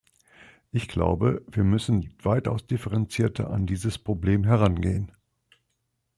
Ich glaube, wir müssen weitaus differenzierter an dieses Problem herangehen.